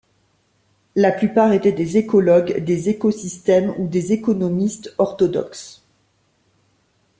La plupart étaient des écologues des écosystèmes ou des économistes orthodoxes.